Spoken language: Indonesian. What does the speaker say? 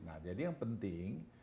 nah jadi yang penting